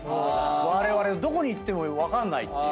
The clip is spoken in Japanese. われわれどこに行っても分かんないっていう。